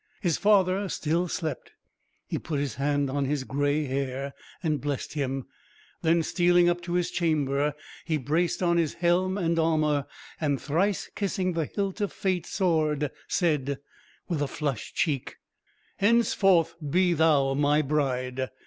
His father still slept; he put his hand on his grey hair, and blessed him; then stealing up to his chamber, he braced on his helm and armour, and thrice kissing the hilt of fate sword, said, with a flushed check: "Henceforth be thou my bride!"